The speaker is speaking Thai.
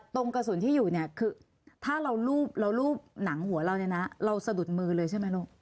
ตรงกระสุนที่อยู่เนี่ยคือถ้าเรารูปเรารูปหนังหัวเราเนี่ยนะเราสะดุดมือเลยใช่ไหมลูก